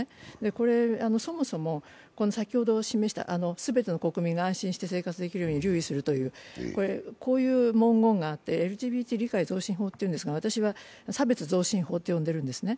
これ、そもそも先ほど示した全ての国民が安心して過ごすことに留意するという、こういう文言があってＬＧＢＴ理解増進法っていうんですけど、私は差別増進法と呼んでいるんですね。